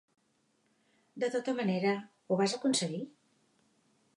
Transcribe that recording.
De tota manera, ho vas aconseguir?